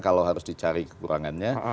kalau harus dicari kekurangannya